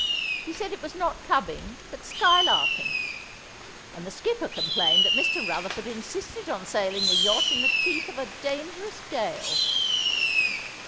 He said it was not cubbing, but skylarking; and the skipper complained that Mr. Rutherford insisted on sailing the yacht in the teeth of a dangerous gale.